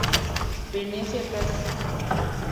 Venecia, Cas.